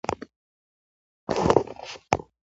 یوه مور د توبرکلوز د نیستۍ په وجه پر هدیرو سپارو.